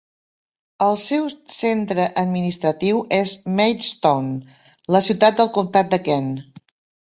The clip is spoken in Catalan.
El seu centre administratiu és Maidstone, la ciutat del comtat de Kent.